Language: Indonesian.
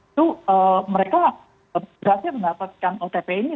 itu mereka berhasil mendapatkan otp ini